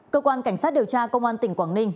cơ quan cảnh sát điều tra công an tỉnh quảng ninh